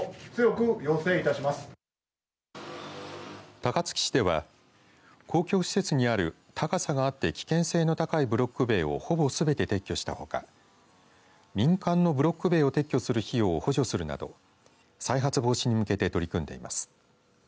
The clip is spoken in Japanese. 高槻市では、公共施設にある高さがあって危険性の高いブロック塀をほぼすべて撤去したほか民間のブロック塀を撤去する費用を補助するなど再発防止に向けて取り組んでいます。